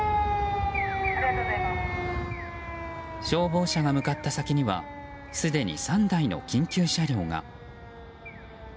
消防車が向かった先にはすでに、３台の緊急車両が。